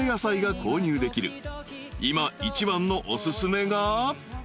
［今一番のお薦めが］